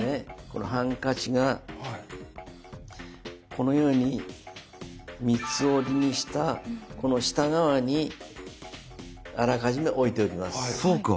このハンカチがこのように三つ折りにしたこの下側にあらかじめ置いておきます。